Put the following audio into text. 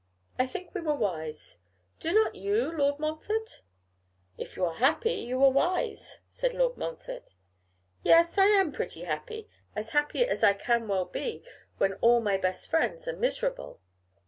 I think we were wise; do not you. Lord Montfort?' 'If you are happy, you were wise,' said Lord Montfort. 'Yes, I am pretty happy: as happy as I can well be when all my best friends are miserable.